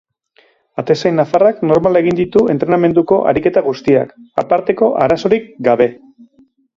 Atezain nafarrak normal egin ditu entrenamenduko ariketa guztiak, aparteko arazorik gabe.